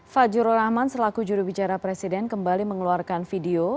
fadjurur rahman selaku juru bicara presiden kembali mengeluarkan video